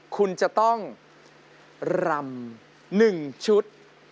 คุณจะต้องรำ๑ชุด